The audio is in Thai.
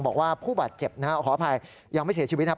บอกว่าผู้บาดเจ็บนะฮะขออภัยยังไม่เสียชีวิตนะครับ